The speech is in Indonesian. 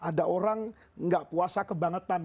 ada orang nggak puasa kebangetan